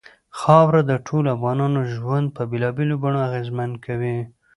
خاوره د ټولو افغانانو ژوند په بېلابېلو بڼو اغېزمن کوي.